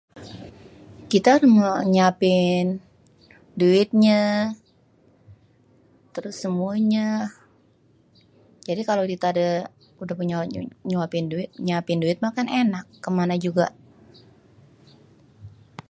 Kita meh nyiapin, duitnye, terus semuenye, jadi kalo kita ade nyiapin duit mah kan enak kemana juga.